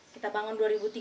kita bangun dua ribu tiga